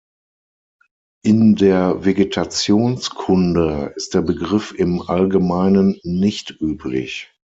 In der Vegetationskunde ist der Begriff im Allgemeinen nicht üblich.